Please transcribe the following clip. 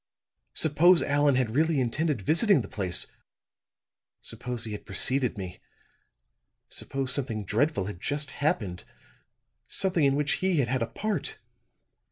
Suppose Allan had really intended visiting the place suppose he had preceded me suppose something dreadful had just happened something in which he had had a part!